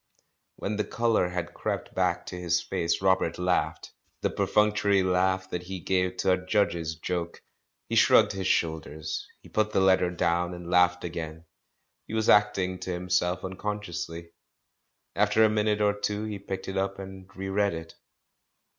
When the colour had crept back to his face, Robert laughed — the perfunctory laugh that he gave to a Judge's joke. He shrugged his shoul ders. He put the letter down, and laughed again — he was acting to himself unconsciously. After a minute or two he picked it up and re read it.